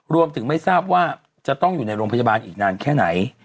รวมถึงไม่ทราบว่าจะต้องอยู่ในโรงพยาบาลอีกนานแค่ไหน